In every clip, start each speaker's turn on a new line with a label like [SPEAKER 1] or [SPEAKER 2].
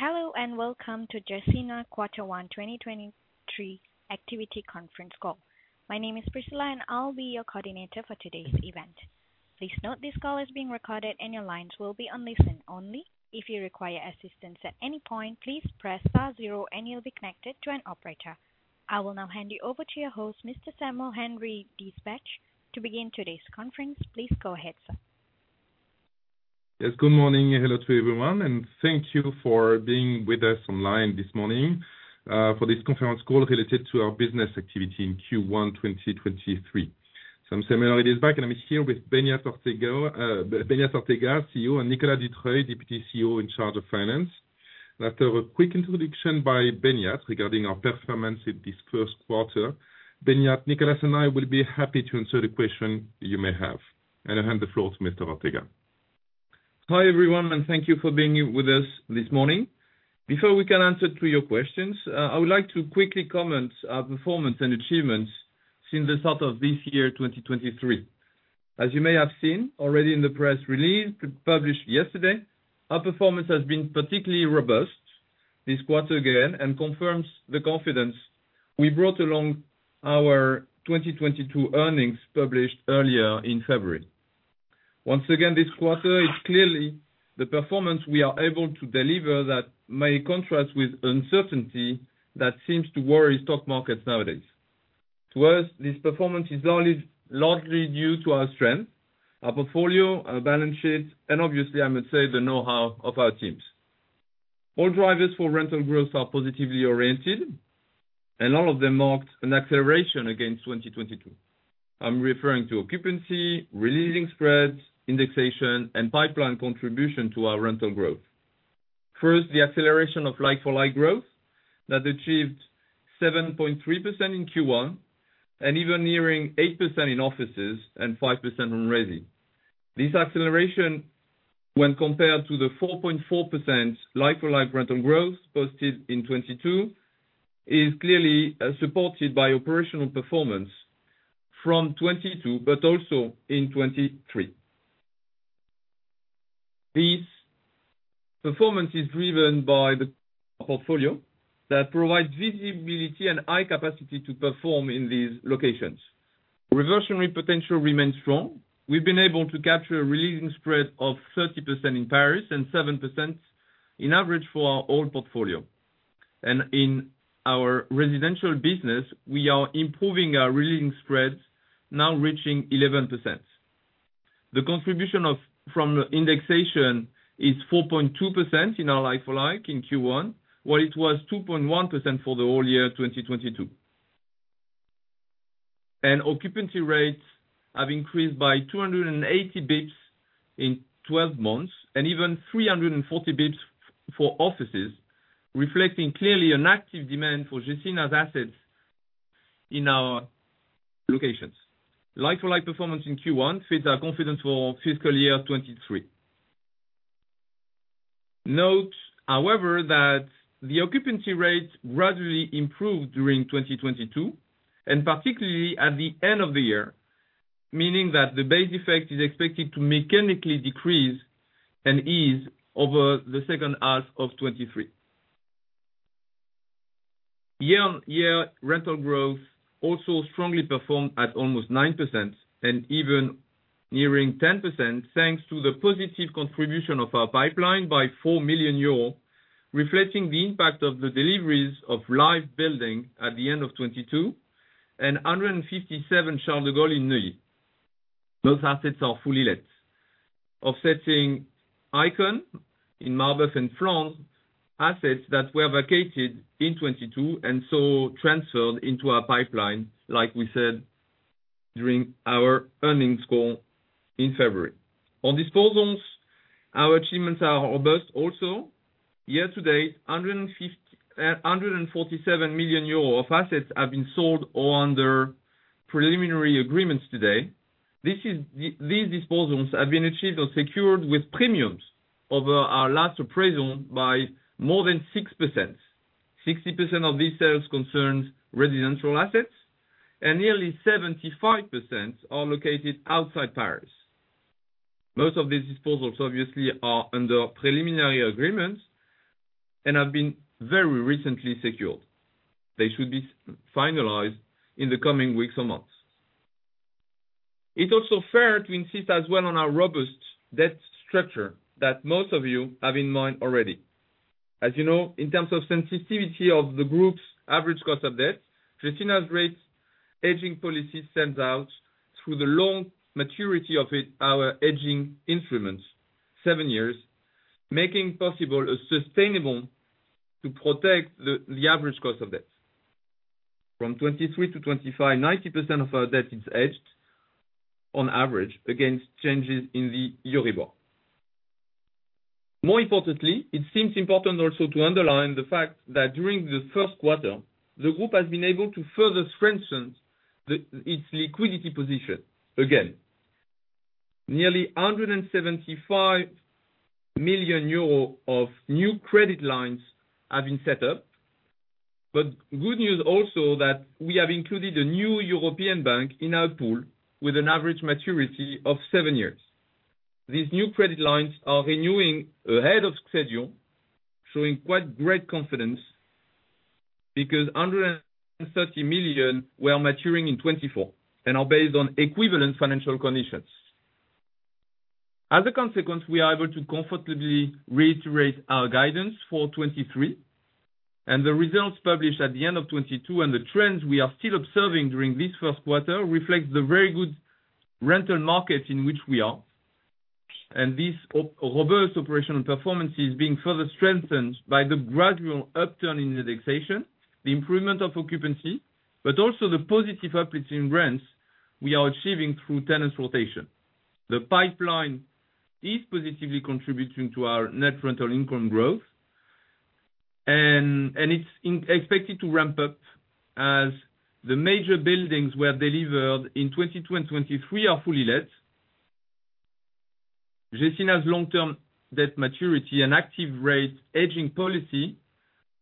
[SPEAKER 1] Hello, and welcome to Gecina Quarter One 2023 Activity Conference Call. My name is Priscilla, and I'll be your coordinator for today's event. Please note this call is being recorded, and your lines will be on listen only. If you require assistance at any point, please press star zero and you'll be connected to an operator. I will now hand you over to your host, Mr. Samuel Henry-Diesbach. To begin today's conference, please go ahead, sir.
[SPEAKER 2] Yes, good morning. Hello to everyone, and thank you for being with us online this morning, for this conference call related to our business activity in Q1 2023. I'm Samuel Henry-Diesbach, and I'm here with Beñat Ortega, CEO, and Nicolas Dutreuil, Deputy CEO in charge of finance. After a quick introduction by Beñat regarding our performance in this first quarter, Beñat, Nicolas, and I will be happy to answer the question you may have. I hand the floor to Mr. Ortega.
[SPEAKER 3] Hi, everyone. Thank you for being with us this morning. Before we can answer to your questions, I would like to quickly comment our performance and achievements since the start of this year, 2023. As you may have seen already in the press release published yesterday, our performance has been particularly robust this quarter again and confirms the confidence we brought along our 2022 earnings published earlier in February. Once again, this quarter, it's clearly the performance we are able to deliver that may contrast with uncertainty that seems to worry stock markets nowadays. To us, this performance is only largely due to our strength, our portfolio, our balance sheets, and obviously, I must say, the know-how of our teams. All drivers for rental growth are positively oriented. All of them marked an acceleration against 2022. I'm referring to occupancy, re-letting spreads, indexation, and pipeline contribution to our rental growth. First, the acceleration of like-for-like growth that achieved 7.3% in Q1, and even nearing 8% in offices and 5% on resi. This acceleration, when compared to the 4.4% like-for-like rental growth posted in 2022, is clearly supported by operational performance from 2022 but also in 2023. These performance is driven by the portfolio that provides visibility and high capacity to perform in these locations. Reversionary potential remains strong. We've been able to capture a re-letting spread of 30% in Paris and 7% in average for our whole portfolio. In our residential business, we are improving our re-letting spreads, now reaching 11%. The contribution from indexation is 4.2% in our like-for-like in Q1, while it was 2.1% for the whole year 2022. Occupancy rates have increased by 280 bips in 12 months and even 340 bips for offices, reflecting clearly an active demand for Gecina's assets in our locations. Like-for-like performance in Q1 feeds our confidence for fiscal year 2023. Note, however, that the occupancy rates gradually improved during 2022, and particularly at the end of the year, meaning that the base effect is expected to mechanically decrease and ease over the second half of 2023. Year-on-year rental growth also strongly performed at almost 9% and even nearing 10%, thanks to the positive contribution of our pipeline by 4 million euros, reflecting the impact of the deliveries of l'ife building at the end of 2022 and 157 Charles de Gaulle in Neuilly. Those assets are fully let. Offsetting Icône in Marbeuf and France, assets that were vacated in 2022 and so transferred into our pipeline, like we said during our earnings call in February. Our achievements are robust also. Year-to-date, 147 million euros of assets have been sold or under preliminary agreements to date. These disposals have been achieved or secured with premiums over our last appraisal by more than 6%. 60% of these sales concerns residential assets, and nearly 75% are located outside Paris. Most of these disposals obviously are under preliminary agreements and have been very recently secured. They should be finalized in the coming weeks or months. It's also fair to insist as well on our robust debt structure that most of you have in mind already. As you know, in terms of sensitivity of the group's average cost of debt, Gecina's rates hedging policy stands out through the long maturity of it, our hedging instruments, seven years, making possible a sustainable to protect the average cost of debts. From 23 to 25, 90% of our debt is hedged on average against changes in the Euribor. More importantly, it seems important also to underline the fact that during the first quarter, the group has been able to further strengthen its liquidity position again. Nearly 175 million euro of new credit lines have been set up. Good news also that we have included a new European bank in our pool with an average maturity of seven years. These new credit lines are renewing ahead of schedule, showing quite great confidence because 130 million were maturing in 2024 and are based on equivalent financial conditions. As a consequence, we are able to comfortably reiterate our guidance for 2023, and the results published at the end of 2022 and the trends we are still observing during this first quarter reflects the very good rental market in which we are. This operational performance is being further strengthened by the gradual upturn in the taxation, the improvement of occupancy, but also the positive uplifting rents we are achieving through tenant rotation. The pipeline is positively contributing to our net rental income growth. It's expected to ramp up as the major buildings were delivered in 2022 and 2023 are fully let. Gecina's long-term debt maturity and active rate edging policy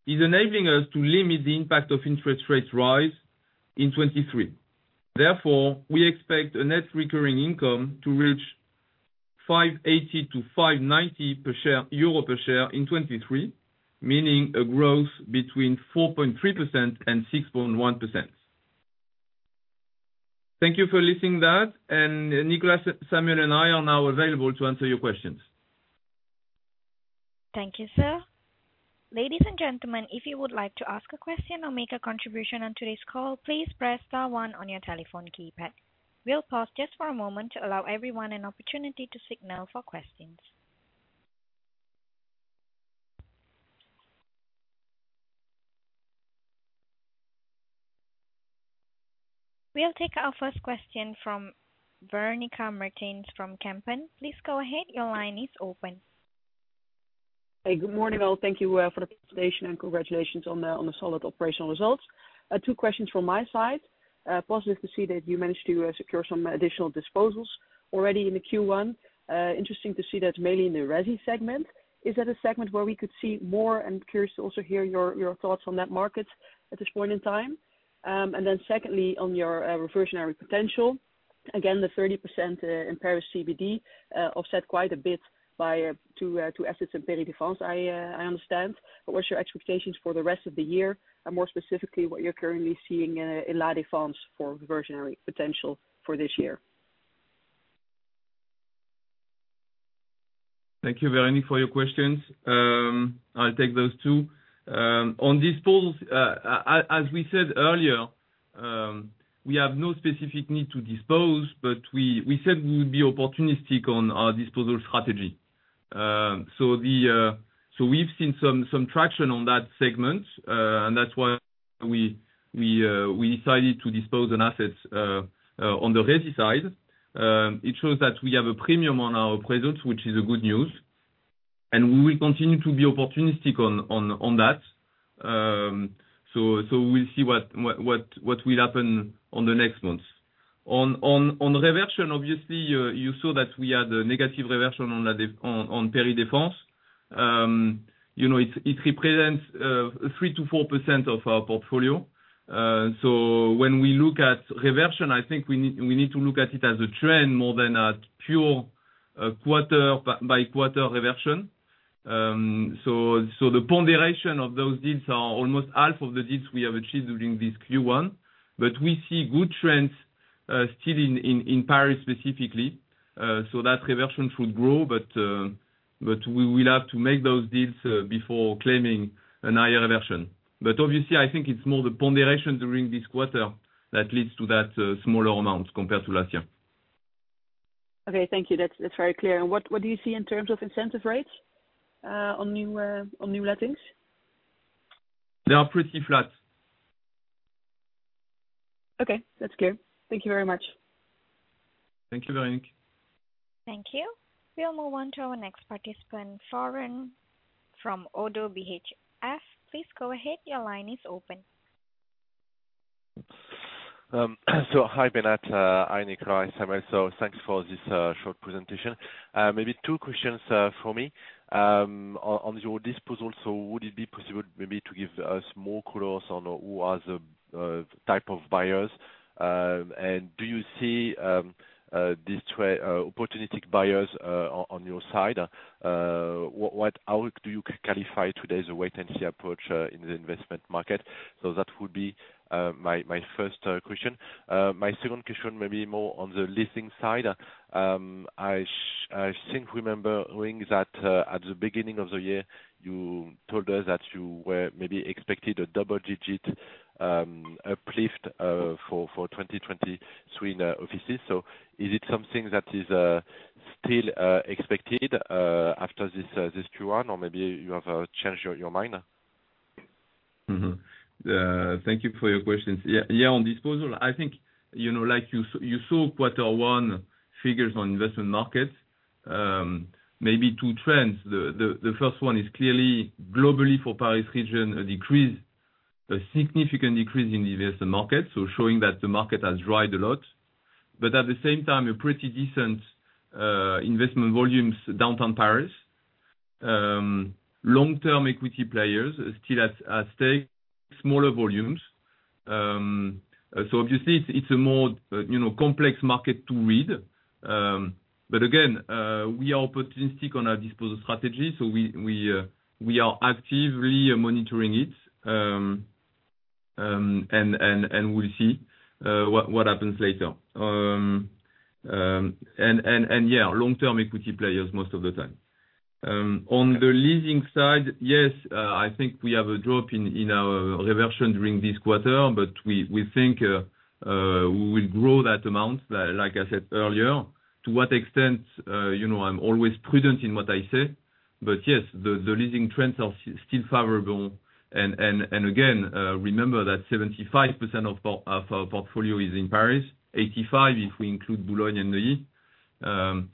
[SPEAKER 3] is enabling us to limit the impact of interest rates rise in 2023. We expect a net recurring income to reach 5.80 to 5.90 euro per share in 2023, meaning a growth between 4.3% and 6.1%. Thank you for listening that. Nicolas, Samuel and I are now available to answer your questions.
[SPEAKER 1] Thank you, sir. Ladies and gentlemen, if you would like to ask a question or make a contribution on today's call, please press star one on your telephone keypad. We'll pause just for a moment to allow everyone an opportunity to signal for questions. We'll take our first question from Véronique Meertens from Kempen. Please go ahead. Your line is open.
[SPEAKER 4] Hey. Good morning, all. Thank you for the presentation and congratulations on the solid operational results. Two questions from my side. Positive to see that you managed to secure some additional disposals already in the Q1. Interesting to see that mainly in the resi segment. Is that a segment where we could see more and curious to also hear your thoughts on that market at this point in time? Then secondly, on your reversionary potential, again, the 30% in Paris CBD, offset quite a bit by Two assets in Paris La Défense, I understand. What's your expectations for the rest of the year? More specifically, what you're currently seeing in La Défense for reversionary potential for this year.
[SPEAKER 3] Thank you, Véronique, for your questions. I'll take those two. On disposals, as we said earlier, we have no specific need to dispose, but we said we would be opportunistic on our disposal strategy. We've seen some traction on that segment, and that's why we decided to dispose on assets on the resi side. It shows that we have a premium on our presence, which is a good news. We will continue to be opportunistic on that. We'll see what will happen on the next months. On reversion, obviously, you saw that we had a negative reversion on Paris La Défense. You know, it represents 3% to 4% of our portfolio. When we look at reversion, I think we need to look at it as a trend more than a pure quarter by quarter reversion. The ponderation of those deals are almost half of the deals we have achieved during this Q1. We see good trends still in Paris specifically. That reversion should grow. We will have to make those deals before claiming an higher reversion. Obviously, I think it's more the ponderation during this quarter that leads to that smaller amounts compared to last year.
[SPEAKER 4] Okay. Thank you. That's very clear. What do you see in terms of incentive rates on new lettings?
[SPEAKER 3] They are pretty flat.
[SPEAKER 4] Okay. That's clear. Thank you very much.
[SPEAKER 3] Thank you, Véronique.
[SPEAKER 1] Thank you. We'll move on to our next participant, Florent from ODDO BHF. Please go ahead. Your line is open.
[SPEAKER 5] Hi, Beñat, hi Nicolas, hi Samuel. Thanks for this short presentation. Maybe two questions for me. On your disposal, would it be possible maybe to give us more colors on who are the type of buyers? And do you see opportunistic buyers on your side? How do you classify today's a wait-and-see approach in the investment market? That would be my first question. My second question may be more on the leasing side. I think remembering that at the beginning of the year, you told us that you were maybe expected a double-digit uplift for 2023 in offices. Is it something that is still expected after this Q1, or maybe you have changed your mind?
[SPEAKER 3] Thank you for your questions. Yeah, on disposal, I think, you know, like you saw quarter one figures on investment markets, maybe two trends. The first one is clearly globally for Paris region, a decrease, a significant decrease in the investment market, showing that the market has dried a lot. At the same time, a pretty decent investment volumes downtown Paris. Long-term equity players still at stake, smaller volumes. Obviously it's a more, you know, complex market to read. Again, we are opportunistic on our disposal strategy, so we are actively monitoring it, and we'll see what happens later. Yeah, long-term equity players most of the time. On the leasing side, yes, I think we have a drop in our reversion during this quarter, but we think we will grow that amount, like I said earlier. To what extent, you know, I'm always prudent in what I say, yes, the leasing trends are still favorable. Again, remember that 75% of our portfolio is in Paris, 85 if we include Boulogne and Neuilly. That's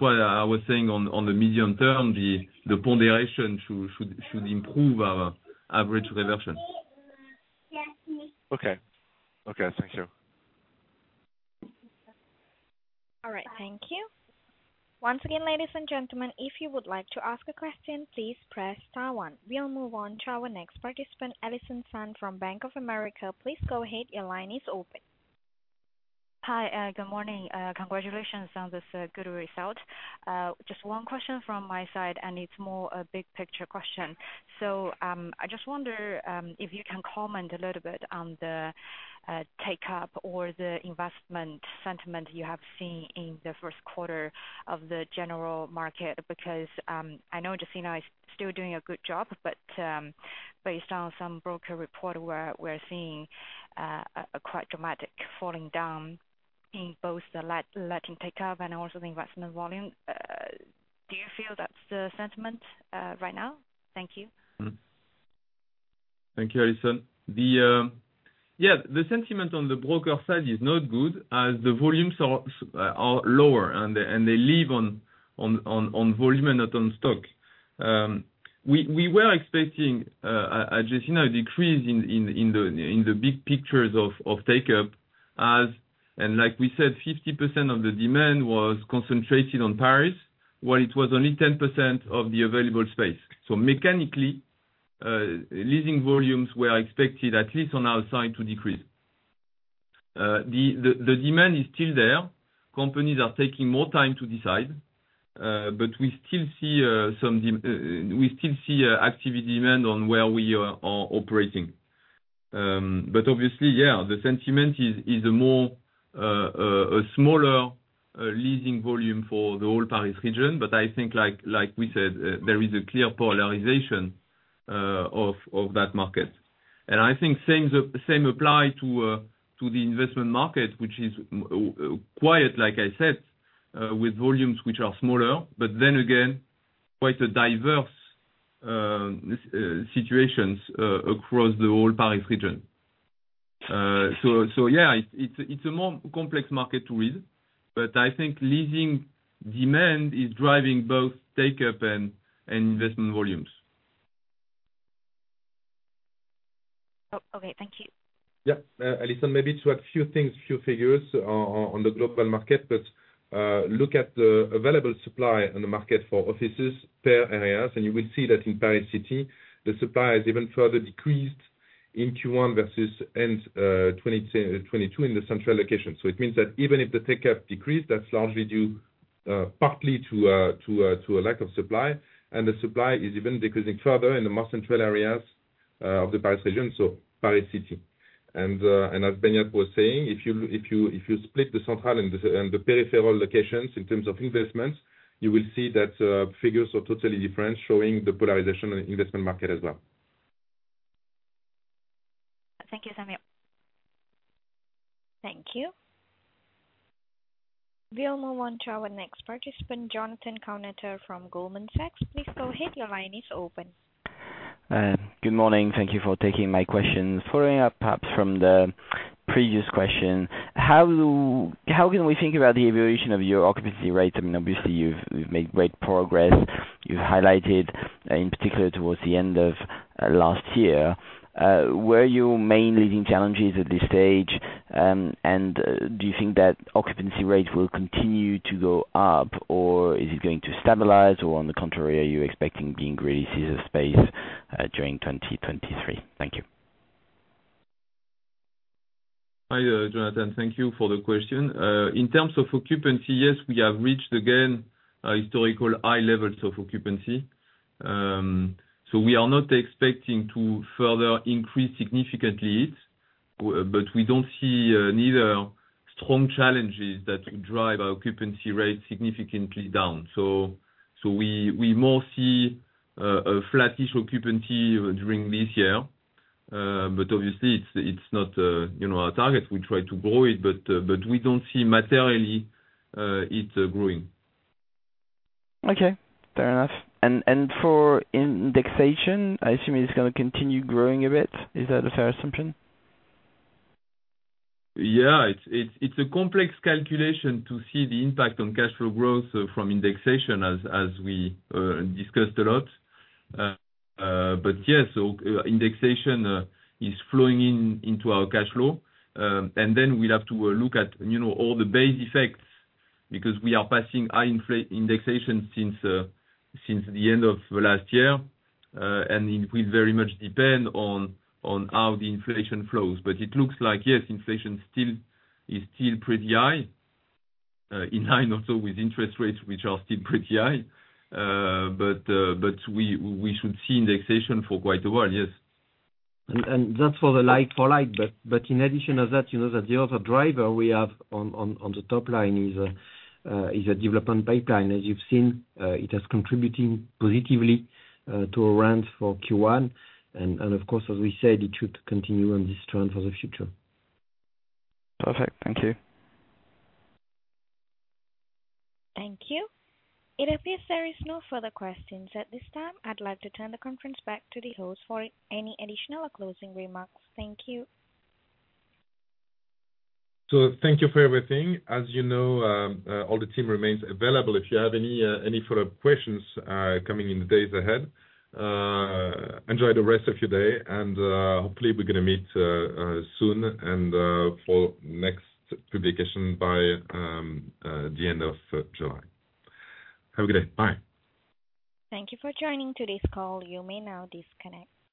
[SPEAKER 3] why I was saying on the medium term, the ponderation should improve our average reversion.
[SPEAKER 5] Okay. Thank you.
[SPEAKER 1] All right. Thank you. Once again, ladies and gentlemen, if you would like to ask a question, please press star one. We'll move on to our next participant, Allison Sun from Bank of America. Please go ahead. Your line is open.
[SPEAKER 6] Hi. Good morning. Congratulations on this good result. Just one question from my side. It's more a big picture question. I just wonder if you can comment a little bit on the take-up or the investment sentiment you have seen in the first quarter of the general market because I know Gecina is still doing a good job, but based on some broker report, we're seeing a quite dramatic falling down in both the letting take-up and also the investment volume. Do you feel that's the sentiment right now? Thank you.
[SPEAKER 2] Thank you, Allison. The, yeah, the sentiment on the broker side is not good as the volumes are lower, and they live on volume, not on stock. We were expecting a Gecina decrease in the big pictures of take-up as, like we said, 50% of the demand was concentrated on Paris, while it was only 10% of the available space. Mechanically, leasing volumes were expected, at least on our side, to decrease. The demand is still there. Companies are taking more time to decide, we still see a activity demand on where we are operating. Obviously, the sentiment is a more, a smaller leasing volume for the whole Paris region. I think like we said, there is a clear polarization of that market. I think same apply to the investment market, which is quiet, like I said, with volumes which are smaller, again, quite a diverse situations across the whole Paris region. So it's a more complex market to read, I think leasing demand is driving both take-up and investment volumes.
[SPEAKER 6] Okay. Thank you.
[SPEAKER 2] Yeah. Allison, maybe to add few things, few figures on, on the global market. Look at the available supply on the market for offices per areas, and you will see that in Paris city, the supply has even further decreased in Q1 versus end 2022 in the central location. It means that even if the take-up decreased, that's largely due partly to a lack of supply, and the supply is even decreasing further in the more central areas of the Paris region, so Paris city. As Beñat was saying, if you split the central and the, and the peripheral locations in terms of investments, you will see that figures are totally different, showing the polarization in the investment market as well.
[SPEAKER 6] Thank you, Samuel.
[SPEAKER 1] Thank you. We'll move on to our next participant, Jonathan Kownator from Goldman Sachs. Please go ahead. Your line is open.
[SPEAKER 7] Good morning. Thank you for taking my question. Following up perhaps from the previous question, how can we think about the evaluation of your occupancy rate? I mean, obviously you've made great progress. You've highlighted in particular towards the end of last year. Were your main leading challenges at this stage? Do you think that occupancy rate will continue to go up, or is it going to stabilize? On the contrary, are you expecting being releases of space during 2023? Thank you.
[SPEAKER 2] Hi, Jonathan. Thank you for the question. In terms of occupancy, yes, we have reached again historical high levels of occupancy. We are not expecting to further increase significantly. We don't see neither strong challenges that drive our occupancy rate significantly down. We more see a flattish occupancy during this year. Obviously it's not, you know, our target. We try to grow it, but we don't see materially it growing.
[SPEAKER 7] Okay. Fair enough. For indexation, I assume it's going to continue growing a bit. Is that a fair assumption?
[SPEAKER 2] Yeah. It's a complex calculation to see the impact on cash flow growth from indexation as we discussed a lot. But yeah. Indexation is flowing into our cash flow. And then we'd have to look at, you know, all the base effects because we are passing high indexation since the end of last year. And it will very much depend on how the inflation flows. But it looks like yes, inflation is still pretty high, in line also with interest rates, which are still pretty high. But we should see indexation for quite a while, yes.
[SPEAKER 8] That's for the like-for-like. In addition to that, you know that the other driver we have on the top line is a development pipeline. As you've seen, it is contributing positively to our rent for Q1. Of course, as we said, it should continue on this trend for the future.
[SPEAKER 7] Perfect. Thank you.
[SPEAKER 1] Thank you. It appears there is no further questions at this time. I'd like to turn the conference back to the host for any additional or closing remarks. Thank you.
[SPEAKER 3] Thank you for everything. As you know, all the team remains available if you have any follow-up questions coming in the days ahead. Enjoy the rest of your day and hopefully we're gonna meet soon and for next publication by the end of July. Have a good day. Bye.
[SPEAKER 1] Thank you for joining today's call. You may now disconnect.